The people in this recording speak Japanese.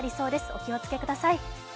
お気をつけください。